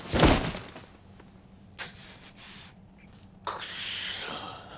クソ！